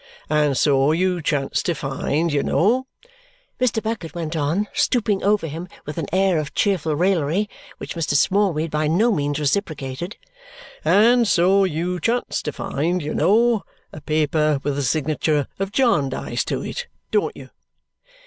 And so you chance to find, you know," Mr. Bucket went on, stooping over him with an air of cheerful raillery which Mr. Smallweed by no means reciprocated, "and so you chance to find, you know, a paper with the signature of Jarndyce to it. Don't you?"